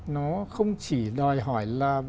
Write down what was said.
nó không chỉ đòi hỏi